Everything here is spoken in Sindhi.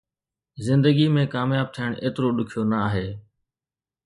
زندگي ۾ ڪامياب ٿيڻ ايترو ڏکيو نه آهي